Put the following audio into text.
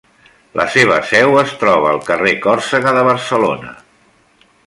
La seva seu es troba al carrer Còrsega de Barcelona.